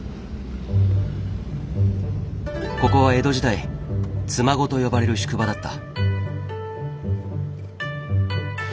ここは江戸時代「妻籠」と呼ばれる宿場だった。